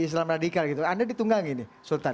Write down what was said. islam radikal gitu anda ditunggangi nih sultan